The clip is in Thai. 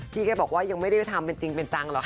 แกบอกว่ายังไม่ได้ไปทำเป็นจริงเป็นจังหรอกค่ะ